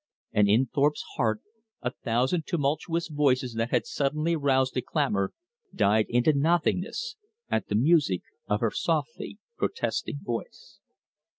And in Thorpe's heart a thousand tumultuous voices that had suddenly roused to clamor, died into nothingness at the music of her softly protesting voice.